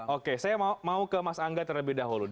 oke saya mau ke mas angga terlebih dahulu